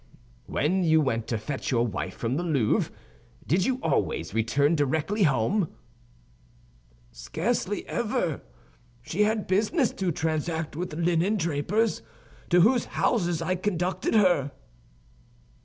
"When you went to fetch your wife from the Louvre, did you always return directly home?" "Scarcely ever; she had business to transact with linen drapers, to whose houses I conducted her."